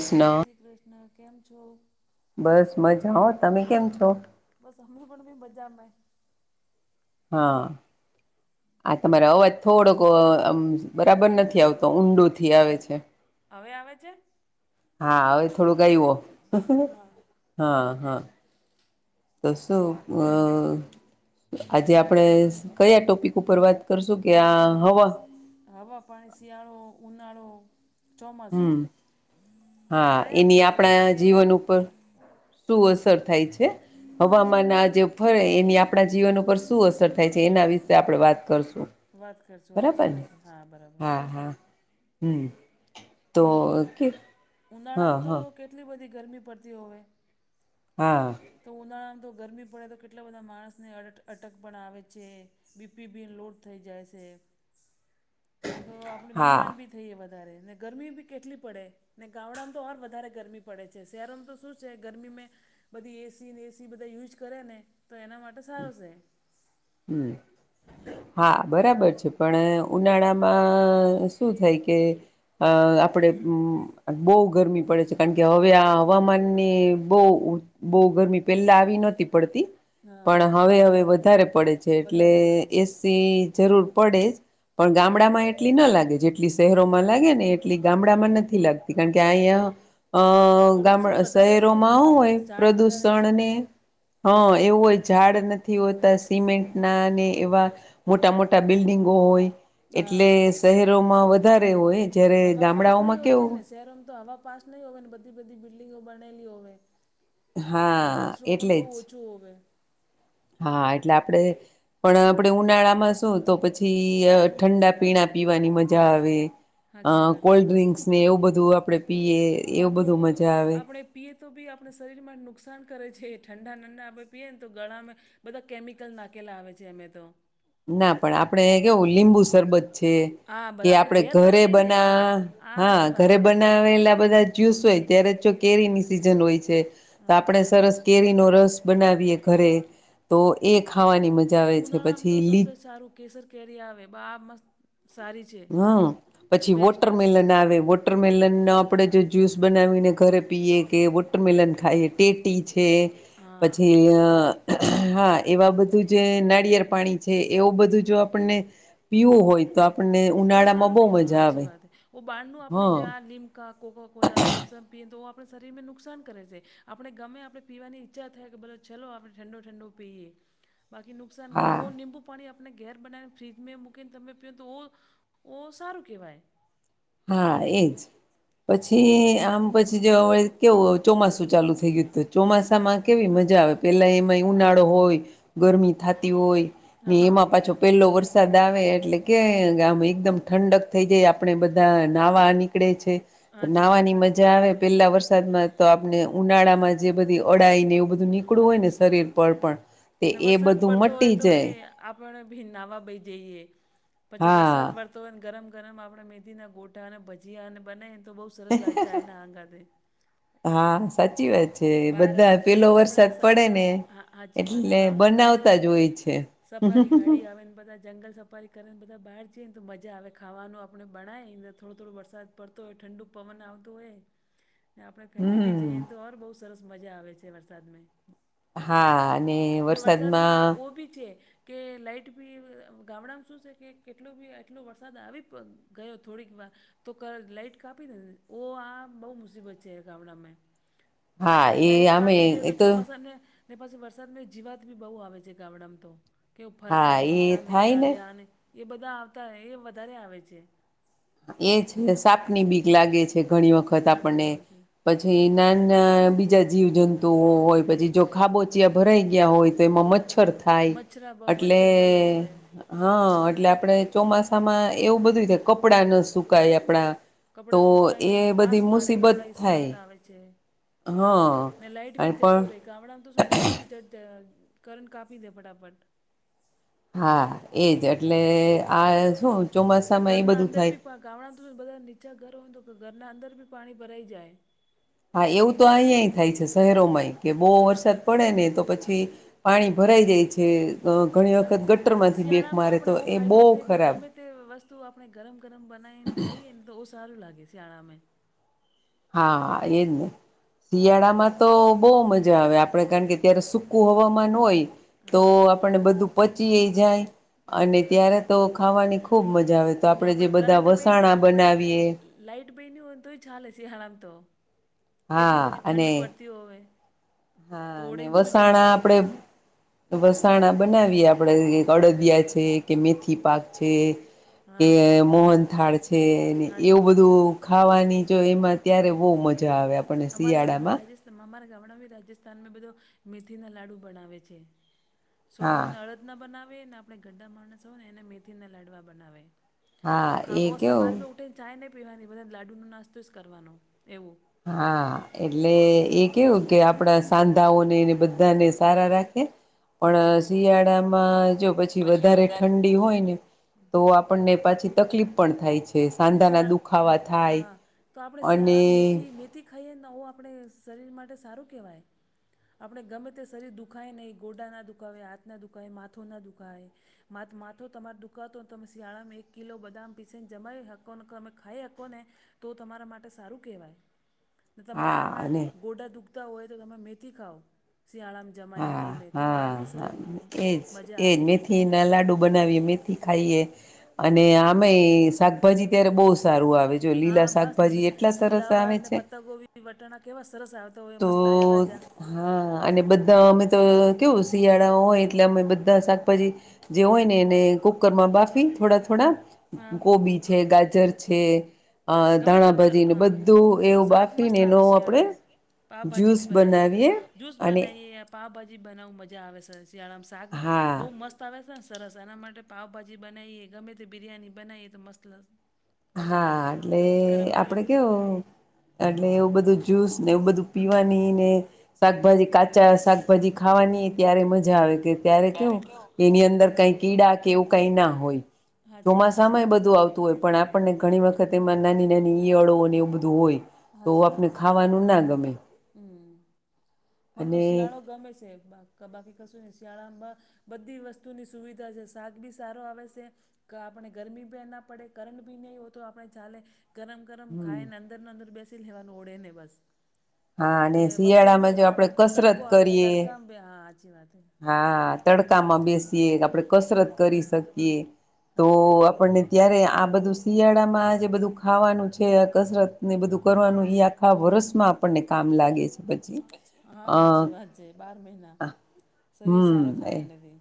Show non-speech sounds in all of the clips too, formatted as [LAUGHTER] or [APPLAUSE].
સ્ન શ્રી કૃષ્ણ કેમ છો. બસ મજા હો તમે કેમ છો? બસ અમે પણમે બજામાં હા આ તમારે અવાજ થોડોક આમ બરાબર નથી આવતો ઊંડોથી આવે છે. હવે આવે છે, હા હવે થોડુંક આયવો હા [UNINTELLIGIBLE] હ હ તોસું [UNINTELLIGIBLE] આજે આપણેે કયા ટોપિક ઉપર વાત કરશું? કે આ હવા હવા પાણ સિયાળો ઉનાળો ચોમાસું હમ્મ, હા એની કયા આપણા રીતથી જીવન ઉપર શું અસર થાય છે, સાચી હવામાન વાત આ જે ફરે એની આપણા જીવન ઉપર શું અસર થાય છે એના વિશે આપણે વાત કરશું. વાત કરશું હાચી બરાબર વાત હે હા, બરાબર હા હમ્મ કે ઉ હા ઉનાળામાં તો હા કેટલી બધી ગરમી પડતી હોવે, હા તો ઉનાળામાં તો ગરમી પડે તો કેટલા બધા માણસને અટ અટક પણ આવે છે. બીપી બિન લોડ થઈ જાય સે, તો આપડે હા બીમાર ભી થઈએ વધારે ને ગરમી બી કેટલી પડે, ને ગામડામાં તો ઓર વધારે ગરમી પડે છે, શહેરોમાં તો શું છે ગરમીમેં બધી એસી નેસી બધા યુઝ કરે ને તો એના માટે સારો સે. હમ્મ હા, બરાબર છે પણ ઉનાળામાં શું થાય કે અ આપણે [UNINTELLIGIBLE] બહુ ગરમી પડે છે કારણ કે હવે આ હવામાનને બવ બહુ ગરમી પેલા આવી નહતી પડતી હા પણ હવે હવે વધારે પડે છે, એટલે વધારે પડે છે. એસી જરૂર પડે જ, પણ ગામડામાં એટલી ના લાગે જેટલી શહેરોમાં લાગે ને એટલી ગામડામાં નથી લાગતી. કારણ કે આયા અ પ્રદૂષણ ગામડા વધારે છે શહેરોમાંહુ હોય ઝાડ વધારે છે. પ્રદુષણ ને હા એવું હોય ઝાડ નથી હોતા સિમેન્ટ ના ને એવા મોટા મોટા બિલ્ડિંગો હોય, હા. એટલે શહેરોમાં વધારે હોય, જયારે હવા પાસ નહી ગામડાઓમાં હોતી કેવું ને શહેરોમાં તો હવા પાસ નહી હોયને બધી બધી બિલ્ડિંગો બનાલી હોવે. હા વ્રસો પણ એટલે બહુ જ ઓછું હોવે. હા, એટલે આપડે પણ આપણે ઉનાળામાં શું તો પછી ઠંડા પીણા પીવાની મજા આવે. અ હાચી વાત હે. કોલ્ડ ડ્રિંક્સ ને એવું બધું આપડે પીએ તો એવું બધું આપણે મજા આવે. આપણે પીએ તો બી આપણા શરીરમાં નુકસાન કરે છે, ઠંડા નંડા આપણે પીએ ને તો ગળામાં બધા કેમિકલ નાખેલા આવે છે અમે તો ના પણ આપડે કેવું લીંબુ સરબત છે હા કે બસ આપડે ઘેર ઘરે બનાવી ને બના હા આ હા સાચી ઘરે વાત હે બનાવેલા બધા જ્યુસ હોય ત્યારે જો કેરી ની સિઝન હોય છે તો હા આપણે સરસ કેરીનો રસ બનાવીએ ઘરે, તો એ ખાવાની મજા આવે છે પછી. ઉનાળામાં તો લીચ સબથી સારું કેસર કેરી આવે બા મસ્ત સારી છે હમ પછી બેસ્ટ વોટર મિલન આવે વ વોટરમેલનનો આપણે જો જ્યુસ બનાવીને ઘરે પીએ કે વોટરમેલન ખાઈએ ટેટી છે. હા પછી હા એવા બધું જે નાળિયેળ પાણી છે એવું બધું જો આપણને પીવું હોય તો આપણને ઓ ઉનાળા માં સારું બહુ કહેવાય મજા સાચી આવે. વાત હે. ઓ બાઢનું હ આપણે જ્યાં લીમ કકા કોકા કોલા થમસમ પીએ તો આપણા શરીરને નુકસાન કરે છે, આપણે ગમે આપણે પીવાની ઈચ્છા થાય કે બ ચાલલો આપણે ઠંડો ઠંડો પીએ બાકીનું નુકસાન કરે હા ઓબુ પાણી આપણે ઘેર બનાવીને ફ્રીજમાં મૂકીને તમે પીઓ તો ઓ સારું કેવાય. હા એજ. પછી આમ પછી જે હવે કેવું ચોમાસું ચાલુ થઈ ગયું હતું. ચોમાસામાં કેવી મજા આવે પહેલાં એમાંય ઉનાળો હોય ગરમી થતી હોય. ને એમાં પાછો પેલો વરસાદ આવે એટલે કે આમ એકદમ ઠંડક થઈ જાય આપે બધા. બધા નાહવા નીકળે છે, તો નાહવા ની નાહવાની મજા આવે પેલા વરસાદમાં તો આપણે ઉનાળા માં જે બધી અડાઈ ને એવું બધું નીકળવું હા જ. હોય ને શરીર પર પણ. તે ને એ વરસાદ બધું પડતો હોય મટી તો જાય બી આપણે ભી નાવા બહી જઈએ, પછી વરસાદ હા વર તોને ગરમ ગરમ આપણેે મેંદી ના ગોઠા અને ભજીયા અને બનેને તો બહુ સરસ લાગે ચાયના આંગા. [UNINTELLIGIBLE] હા સાચી વા છે. જે બહાર બધા પેલો આપણે વરસાદ સ પડે ને હા હાચી વાત એટલે સ બનાવતા જ હોય છે. સફારી ગાડી આવે ને બધાચ. જંગલ સફારી કરે ને બધા બહાર જઈને તો મજા આવે ખાવાનું આપણે બણાયને થોડો થોડો વરસાદ પડતો હોય ઠંડુ પવન આવતો હોય. ને આપણે ફેમિલી હમ જઈને તો ઓર બહુ સરસ મજા આવે છે વરસાદમાં. હા અને ને વરસાદમાં ઓ ભી છે. કે લાઇટ બી ગામડામાં શું છે કે કેટલો બી આટલો વરસાદ આવી ગયો થોડીક વાર તો લાઈટ કાપી નેને ઓ આ બહુ મુસીબત છે ગામડામાં. હા એ લાઈટ આમે કાપી દે એ તો ચોમાસાને, પાછ વરસાદમાં જીવાત બી બહુ આવે છે ગામડામાં તો. કેવું હા ફરકા એ બીજાને એ થાય અળિયા ને એ બધા આવતા એ વધારે આવે છે. એ છે સાપની બીક લાગે છે ઘણી વખત હાચી આપણને. વાત હે. પછી નાના બીજા જીવજંતુઓ હોય પછી જો ખાબોચિયા ભરાઈ ગયા હોય, તો એમાં મચ્છ ખર થાય, મચ્છરા બહુ એટલે મચ્છર બહુ હોવે હા એટલે આપણે ચોમાસામાં એવું બધુંીતે કપડાં ન સુકાય આપણા. તો કપડાં સુકાય નહ એ વાસ બધી મારે મુસીબત કપડા ઈસ્માઈલ થાય આવે છે. હા ના લાઈટ ભ અને જત પણ રહે. ગામડામાં તો શું લાઈટ બી જ કરણ કાપી હતી ફટાફટ. હા એજ એટલે આ શું ને ચોમાસામાં એ ઘરના બધું અંદર થાય. બી ગામડા તો બધા નીચા ઘર હોય તો કે ઘરના અંદર બી પાણી ભરાઈ જાય. હા એવું તો અહીયાં થાય છે શહેરોમાંય કે બહુ વરસાદ પડે ને તો પછી પાણી ભરાઈ જાય છે ઘણી ખાલી વખત ગટરમાંથી બેક શિયાળામાં મારે આપણે તો એવો એ ફાયદો બહુ છે કે ખરાબ. ગમે વસ્તુ આપણે ગરમ ગરમ બનાવીને ખાઈએ ને તો બહ સારું લાગે શિયાળામાં. હા એજને. શિયાળામાં તો બહુ મજા આવે આપડ કારણ કે અત્યારે સુૂકું હવામાન હોય. તો હા આપણે બધું પચીયે જાય. અને સાચી વાત ત્યારે હે તો ખાવાની ખુબ મજા આવે તો ને આપડણે જે આપણે બધા કરંટ ભાઈને વસાણા બનાવીએ. આપણે લાઈટ બે ન હો તો ચાલ હ સ હળમ તો. કેટલી હા બધી અને ઠંડ પડતી હોવે તો હા અને ઓળીને સુું જઈએ વસાણા આપડે બ્લેન્કેટમાં વસાણા બનાવીએ આપડ અડદિયા છે કે મેથી પાક છે. કે હા મોહન થાળ છે હાચી એવું વાત હે બધું ખાવાની જો એમાં ત્યારે બહુ મજા આવે આપણને અમારા નામમાં શિયાળામાં રાજેશ? અમારા ગામડા રાજસ્થાનમાં બધો મેથી ના લાડુ બનાવે છે. હા છોકરોને અડદ રના બનાવે ને આપણે ગ્ડા માણસો ને એને મેથી લાડવા બનાવે. હા તો એ ખા સવાર કેવું મેં ઉઠીને ચાાય નહી પીવાની બધા લાડુ ન નાસ્તો જ કરવાનો એવું. હા એટલે એ કેવું કે આપડા સાંધાઓને બધાને સારા રાખે. હાચી પણ વાત શિયાળામાં જો પછી વધારે ઠંડ. હોને તો આપણને પાછી તકલીફ પણ થાય છે. ને સાંધાના શિયા દુખાવા થાય તો આપણે શિયાળા મેથી અને મેથી ખાઈએ ને આવું આપણે શરીર માટે સારું કહેવાય. આપણે ગમે તે શરીર દુખાય નહીં ગોડા ના દુખે હાથના દુખાયે માથો ના દુખાય મા માથ તમારા દુકાતો તમે શિયાળામાં એક કિલો બદામ પીસે ને જમાય. હકો તમે ખાઈ હકો ને તો તમારા માટે સારું કહેવાય તમારા હા એમાં અને ગોડા દુખતા હોય તો તમે મેથી ખાવ શિયાળામાં જમાઈને હા ઘી મેં તો હા આ બી સૌ હા એજ મજા એજ આવે મેથી ના લાડુ બનાવીએ મે થી ખાઈએ અને આમે શાકભાજી ત્યારે બહુ સારું આવે છે. હા બસ ફુલાવર અનેને છે પત્ત ગોબી એ વટણા કેવા સરસ આવતા હોય તો મત તાજા તાજા. હા અને બધા અમે તો કેવું શિયાળા હોય એટલે અમે બધા શાકભાજી જે હોય ને એને કુકર માં બાફી થોડા થોડા હા ગબી છે ગાજર છે. આ ગમે તે ધાણાભાજી, ને હા બધું એવું બાફી ને એનો આપડે. પાાવભાજી ભી બનાઈએ જૂસ અને બનાઈએ આપ પાઉભાજી બનાવું મજા આવેશે શિયાળામાં શાક હા બહુ મસ્ત. મસ્તા આવે છે ને સરસ એના માટે પાાવભાજી બનાવીએ ગમે તે બિરયાની બનાવીએ તો મસ્તસ. હા એટલે આપડે કેવ એટલે એવું બધું જ જ્યુસ ને એવું બધું પીવાની ને શાકભાજી કાચા શાકભાજી ખાવાની ત્યારે મજા આવે કે ત્યારે કેવું એની અંદર કઈ કીડા કે એવું કઈ ના હોય હાચી હાચી ચોમાસામાં એ વાત છે બધું આવતું તું હોય પણ આપણને ઘણી વખત એમાં નાની નાની ઈયળો અને એવું બધું હોય. તો હાચી આપને વાત હે ખાવાનું ના ગમે. હમ મને તો અને શિયાળો ગમે છે. ક બાકી કશું નહી શિયાળામાં બધી વસ્તુની સુવિધા છે શાક બી સારો આવે છે. આપણે ગરમી બ ના પડે કરંટ ભી નહીં હો તો આપણે ચાલે ગરમ. ગરમ ખાય હમ ને અંદર ન અંદર બેસી લેવાનું ઓળે ને બસ હા ને અને બપોર મે શિયાળામાં જો આપણે ગામડામાં તો તડકો કસરત આવે કરીએ તડકામાં બે હા સાચી વાત. હા તડકામાં બેસીએ આપણેે કસરત કરી શકીએ તો સાચી વાત હે આપણને ત્યારે આ બધું શિયાળામાં જે બધું ખાવાનું છે કસરત ને બધું કરવાનું યાદ આા વર્ષમાં આપણને કામ લાગે છે. પછી હા અ સાચી વાત જ બાર મહિના શરીર સારો હમ એ થાય એનાથી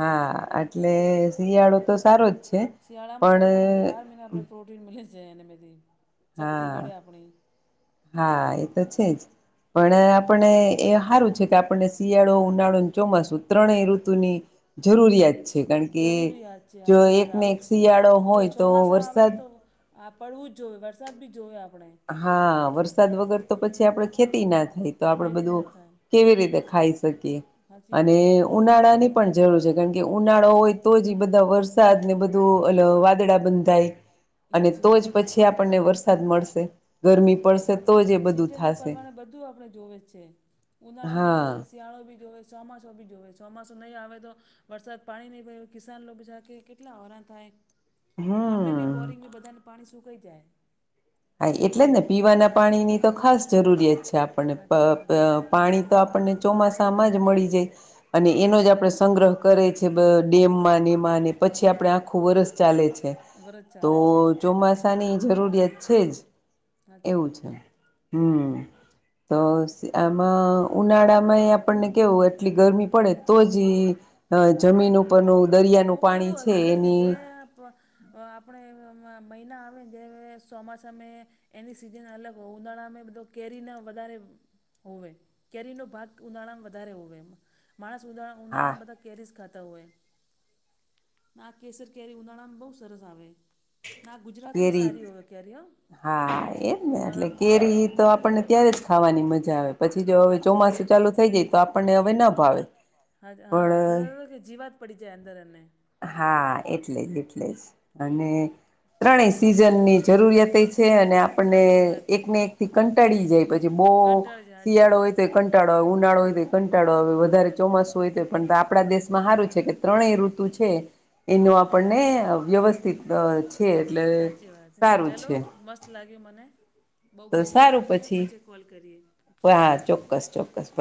હા એટલે શિયાળો તો સારો જ છે શિયાળામાં પણ ખાઈએ ને તો બાર મહિને આપને પ્રોટીન મી છે એનેથી હા હા એ તો છેજ. પણ આપણને એ સારું છે. કે આપણને શિયાળો ઉનાળો ચોમાસું ત્રણેય ઋતુની જરૂરિયાત છે. કારણ કે જરૂરી વાત છે જો સાચી વાત એકને આવું એક શિયાળો જ હોય તો છોમાસા આવે વરસાદ ને તો. આ પડવું જ જોઈએ વરસાદ બી જોઈએ આપણે હા વરસાદ વગર તો પછી આપડે ખેતી ના થાય તો આપડે ખેતી ન બધું થાય કેવી રીતે ખાઈ શકીએ સાચી અને વાત એ ઉનાળા ની પણ જરૂર છે. કારણ કે ઉનાળો હોય તો જ બધા વરસાદ ને બધું વાદળા બંધ થાય. અને સાચી તો વાત જ છે પછી આપણને વરસાદ મળશે. ગરમી સાચી વાત પડશે તો જ એ બધું સીઝન ના થશે પરમાણે બધું આપડણે જોવે છે ઉનાળો બી હા જોવે શિયાળો બી જોએ ચોમાસું બી જોવેએ ચોમાસું નહીં આવે તો વરસાદ પાણી નહી પડે કિસાન લોકો બીજા કે કેટલા હેરાન થાય. હમ આપણે બી બોરિંગ હા બધાને પાણી સુકાઈ જાય. હા એટલે જ ને પીવાના પાણીની તો ખાસ જરૂરિયાત છે આપણને પ સાચી વાત પ હે પાણી તો આપણને ચોમાસામાં જ મળી જાય અને સાચી એનો જ વાત આપણે સંગ્રહ કરે છે. ડેમમાં મા પછી આપડણે આખું વર્ષ ચાલે છે. વરજ તો ચાલે છે ચોમાસા ચોમાસાની જરૂરિયાત છે જ સાચી એવું વાત છે હે હમ તો આમાં ઉનાળા માં એ આપણને કેવું એટલી ગરમી પડે તો જ અ જમીન ઉપરનું દરિયાનું પાણી છે. એની આપ આપણે મહિના આવે ને જે ચોમાસામે એની સીઝન અલગ હો ઉનાળામાં બધો કેરી ન વધારે હોવે કેરી નો ભાગ ઉનાળા વધારે હોવે માણસ ઉ હા ઉનાળા બધા કેરી ખાતે હોય આ કેસર કેરી ઉનાળામાં બહુ સરસ આવે. ના ગુજરાત મે કેરી સારી હોય ક ર હો હા એમ ને એટલે કેરી ઉનાળામાં તો આપણને ત્યારે જ ખાવાની મજા આવે પછી જો હવે સાચી વાત ચોમાસું હે. ચાલુ થઈ જાય તો આપણને હવે ના ભાવે હા પણ હા કે જીવાત પડી જાય અંદર એને હા એટલે જ એટલે જ અને ત્રણે સિઝનની જરૂરિયાત છે. અને આપ'ઔ આપને સાચી વાત હે, એકને એક થી કંટાળી જાય પછી બહ કંટાળ જાય સાચી શિયાળો વાત હોય હે. તો કટારો કટાડોય ઉનાળો હોય તે કંટાળો આવે વધારે ચોમાસું હોય તે પણ આપણા દેશમાં સારું છે કે ત્રણેય ઋતુ છે. છે. એનો આપણને વ્યવસ્થિત છે. એટલે અચછી વાત હૈ સારું ચલો છે મસ્ત-' ત લાગે મને બહુ તો ગમ્યું સારું પણ છે પછી કોલ કરીએ હા ચોક્કસ ચોક્કસ બ